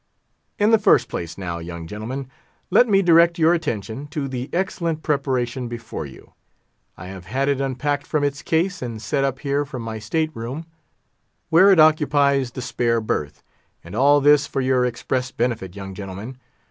"In the first place, now, young gentlemen, let me direct your attention to the excellent preparation before you. I have had it unpacked from its case, and set up here from my state room, where it occupies the spare berth; and all this for your express benefit, young gentlemen.